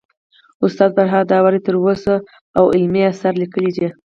استاد فرهاد داوري تر اوسه اوه علمي اثار ليکلي دي